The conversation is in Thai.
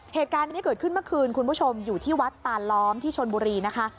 เหตุการณ์นี้เกิดขึ้นเมื่อคืนคุณผู้ชมอยู่ที่วัดตานล้อมที่ชนบุรีนะคะ